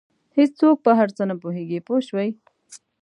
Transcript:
هېڅوک په هر څه نه پوهېږي پوه شوې!.